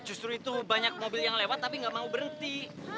justru itu banyak mobil yang lewat tapi nggak mau berhenti